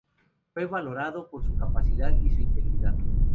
Fue valorado por su capacidad y su integridad.